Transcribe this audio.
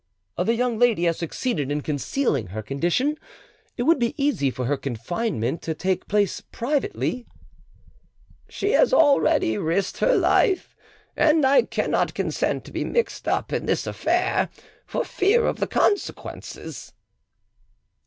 "The young lady has succeeded in concealing her condition; it would be easy for her confinement to take place privately." "She has already risked her life; and I cannot consent to be mixed up in this affair, for fear of the consequences."